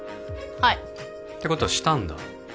はいてことはしたんだ